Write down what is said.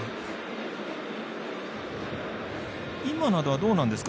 今のは、どうなんですか？